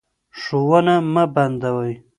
ښوونه مه بندوئ.